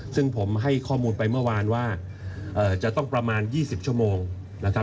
ซึ่งผมให้ข้อมูลไปเมื่อวานว่าจะต้องประมาณ๒๐ชั่วโมงนะครับ